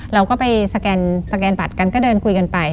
เราก็ไปสแกนบัตรกันก็เดินคุยกันไป